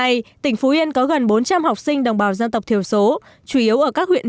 để giúp các em học sinh đồng bào dân tộc thiểu số thi đạt kết quả tốt